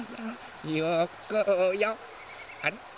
あれ？